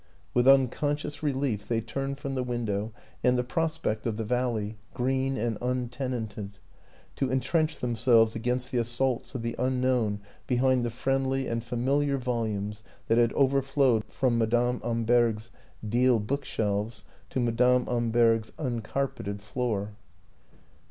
With unconscious relief they turned from the window and the prospect of the valley, green and untenanted, to entrench them selves against the assaults of the unknown behind the friendly and familiar volumes that had over flowed from Madame Amberg's deal book shelves to Madame Amberg's uncarpeted floor.